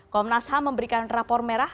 komnas ham memberikan rapor merah